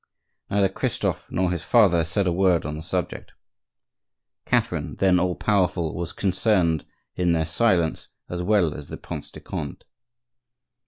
Neither Christophe nor his father said a word on the subject. Catherine, then all powerful, was concerned in their silence as well as the Prince de Conde.